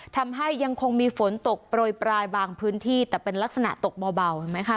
ยังคงมีฝนตกโปรยปลายบางพื้นที่แต่เป็นลักษณะตกเบาเห็นไหมคะ